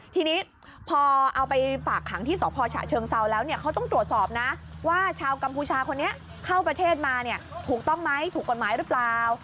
ทีนี้พอเอาไปฝากขังที่สพฉเชิงเซาแล้วเนี่ยเขาต้องตรวจสอบนะว่าชาวกัมพูชาคนนี้เข้าประเทศมาเนี่ยถูกต้องไหมถูกกฎหมายหรือเปล่า